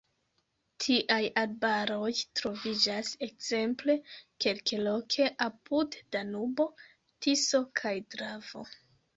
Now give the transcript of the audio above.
Tiaj arbaroj troviĝas ekzemple kelkloke apud Danubo, Tiso kaj Dravo.